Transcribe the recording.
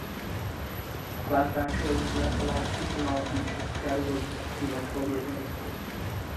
Flatback turtles nest along Eighty-mile Beach at scattered locations between October and April.